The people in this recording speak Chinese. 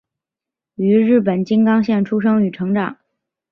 于日本静冈县出生与成长。